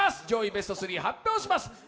上位ベスト３発表します。